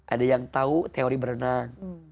ada yang tahu teori berenang